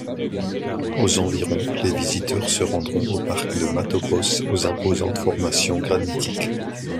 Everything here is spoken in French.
Aux environs, les visiteurs se rendront aux parc de Matopos aux imposantes formations granitiques.